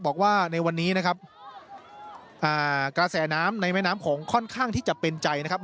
บอกว่าในวันนี้นะครับอ่ากระแสน้ำในแม่น้ำโขงค่อนข้างที่จะเป็นใจนะครับ